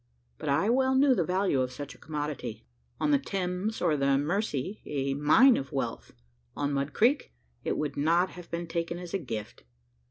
But I well knew the value of such a commodity. On the Thames or the Mersey, a mine of wealth on Mud Creek, it would not have been taken as a gift!